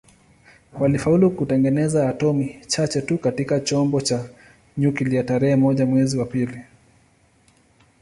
Walifaulu kutengeneza atomi chache tu katika chombo cha nyuklia tarehe moja mwezi wa pili